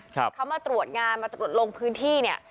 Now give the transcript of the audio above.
เขามาตรวจงานมาตรวจลงพื้นที่เนี่ย